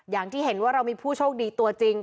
อย่างที่เห็นว่าเรามีผู้โชคดีตัวจริง